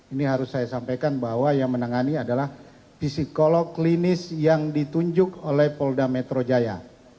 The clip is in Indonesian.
ini harus saya sampaikan bahwa yang menangani adalah psikolog klinis yang ditunjuk oleh polda metro jaya